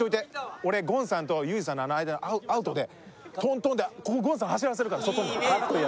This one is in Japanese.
俺ゴンさんと佑二さんのあの間アウトでトントンでゴンさん走らせるから外に。